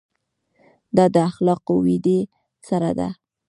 دا د اخلاقو ودې سره ده.